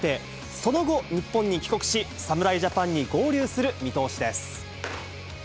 その後、日本に帰国し、侍ジャパンに合流する見通しです。